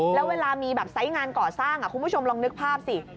แล้วเวลามีแบบไซส์งานก่อสร้างคุณผู้ชมลองนึกภาพสิ